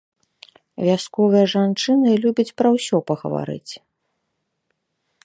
Вясковыя жанчыны любяць пра ўсё пагаварыць.